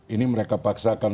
ini mereka paksakan